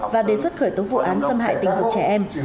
và đề xuất khởi tố vụ án xâm hại tình dục trẻ em